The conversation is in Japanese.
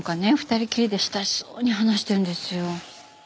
２人きりで親しそうに話してるんですよ。